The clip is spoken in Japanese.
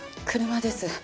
車です。